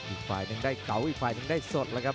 อีกฝ่ายหนึ่งได้เก๋าอีกฝ่ายหนึ่งได้สดแล้วครับ